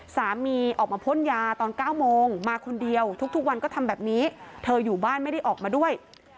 สามีออกมาพ่นยาตอน๙โมงมาคนเดียวทุกวันก็ทำแบบนี้เธออยู่บ้านไม่ได้ออกมาด้วย